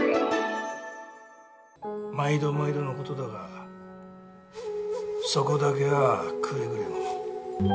毎度毎度のことだが、そこだけはくれぐれも。